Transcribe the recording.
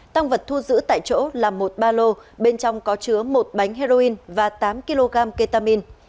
tăng vật thu giữ tại chỗ là một ba lô bên trong có chứa một bánh heroin và tám kg ketamin